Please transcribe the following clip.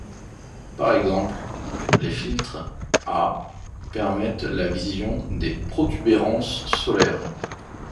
Par exemple, les filtres Hα permettent la vision des protubérances solaires.